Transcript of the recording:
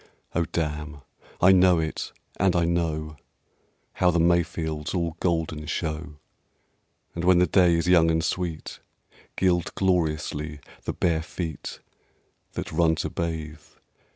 Oh, damn! I know it! and I know How the May fields all golden show, And when the day is young and sweet, Gild gloriously the bare feet That run to bathe...